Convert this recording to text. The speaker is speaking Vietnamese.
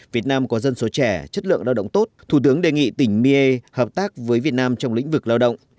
việt nam có dân số trẻ chất lượng lao động tốt thủ tướng đề nghị tỉnh miên hợp tác với việt nam trong lĩnh vực lao động